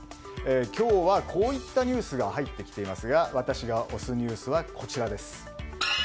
今日は、こういったニュースが入ってきていますが私が推すニュースはこちらです。